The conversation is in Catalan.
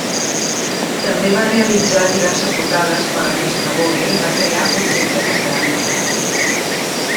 També va realitzar diverses portades per la revista Vogue i va crear objectes de ceràmica.